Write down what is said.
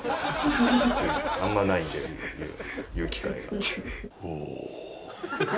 あんまないんで言う機会が。